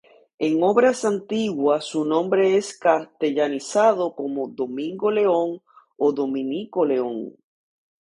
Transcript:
En obras antiguas su nombre es castellanizado como "Domingo León" o "Dominico León".